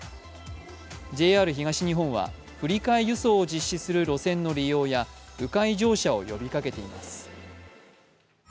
ＪＲ東日本は振り替え輸送を実施する路線の利用やう回乗車を呼びかけています。